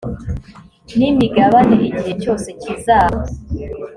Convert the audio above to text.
n imigabane igihe cyose kizaba